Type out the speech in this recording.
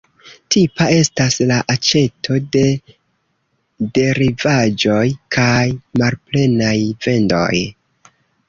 Tipa estas la aĉeto de derivaĵoj kaj malplenaj vendoj.